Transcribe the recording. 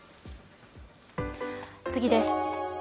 次です。